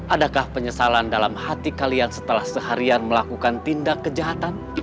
adakah penyesalan dalam hati kalian setelah seharian melakukan tindak kejahatan